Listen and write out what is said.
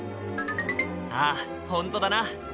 ああほんとだな。